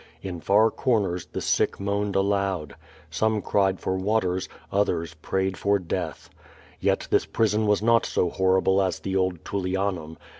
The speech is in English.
In far corners the sick moaned aloud. Some cried for water, others prayed for death. Yet this prison was not so horrible as the old Tullianum.